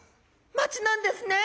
街なんですね。